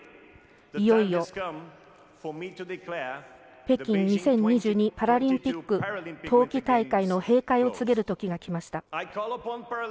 いよいよ、北京２０２２パラリンピック冬季大会の閉会を告げるときがきました。